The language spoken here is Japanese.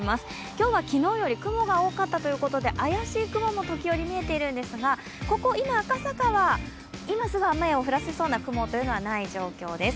今日は昨日より雲が多かったということで怪しい雲も時折、見えているんですがここ今、赤坂は今すぐ雨を降らせそうな雲はない状況です。